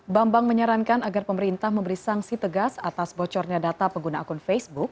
bambang menyarankan agar pemerintah memberi sanksi tegas atas bocornya data pengguna akun facebook